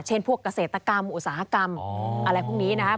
พวกเกษตรกรรมอุตสาหกรรมอะไรพวกนี้นะครับ